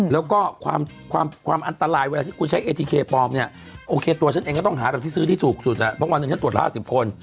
แล้วก็ความความความอันตรายเวลาที่กูใช้เอทีเคปลอมเนี้ยโอเคตัวฉันเองก็ต้องหาตัวที่ซื้อที่สูงสุดเนี้ยเพราะวันนึงฉันตรวจละห้าสิบคน